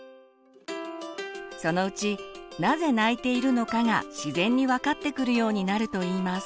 そのうちなぜ泣いているのかが自然に分かってくるようになるといいます。